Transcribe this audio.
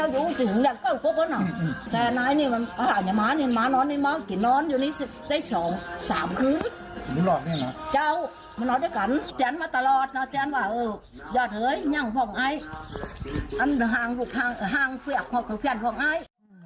อย่าเถอะเห้ยนั่งฟังไออันห้างหลุกห้างฟังไอ